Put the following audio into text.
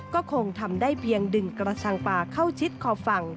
ก็คงทำได้เพียงดึงกระชังป่าเข้าชิดขอบฝั่ง